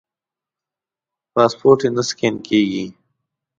پاسپورټ یې نه سکېن کېږي.